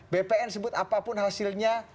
bpn sebut apapun hasilnya